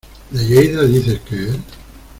¿De Lleida dices que es?